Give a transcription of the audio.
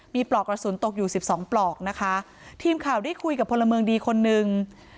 มีปลอกกระสุนตกอยู่สิบสองปลอกนะคะทีมข่าวได้คุยกับพลเมืองดีคนนึง